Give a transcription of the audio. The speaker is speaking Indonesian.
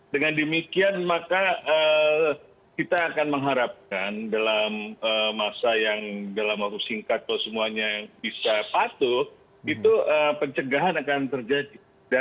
dengan demikian maka kita akan mengharapkan dalam masa yang dalam waktu singkat kalau semuanya bisa patuh itu pencegahan akan terjadi